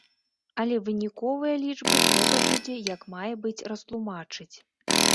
Але выніковыя лічбы трэба будзе як мае быць растлумачыць.